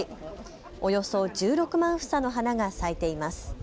およそ１６万房の花が咲いています。